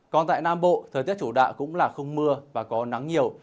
còn tại nam bộ thời tiết chủ đạo cũng là không mưa và có nắng nhiều